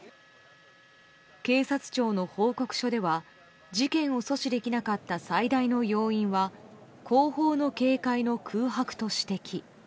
警察庁の報告書では事件を阻止できなかった最大の要因は後方の警戒の空白と指摘。